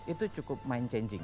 itu cukup mind changing